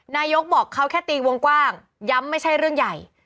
นายกบอกเขาแค่ตีวงกว้างย้ำไม่ใช่เรื่องใหญ่